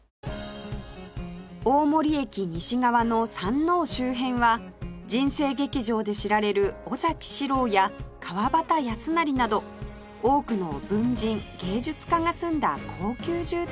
大森駅西側の山王周辺は『人生劇場』で知られる尾崎士郎や川端康成など多くの文人芸術家が住んだ高級住宅街